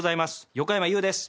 横山裕です。